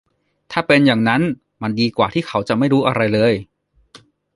ถ้าเป็นอย่างนั้น มันดีกว่าที่เขาจะไม่รู้อะไรเลย